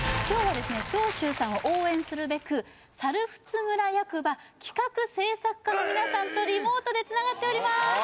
今日はですね長州さんを応援するべく猿払村役場企画政策課の皆さんとリモートでつながっております